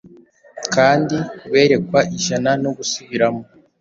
Kandi kuberekwa ijana no gusubiramo